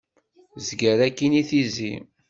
Zger akkin i tizi.